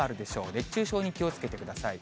熱中症に気をつけてください。